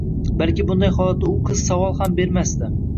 Balki bunday holatda u qiz savol ham bermasdi...